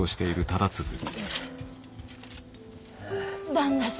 旦那様。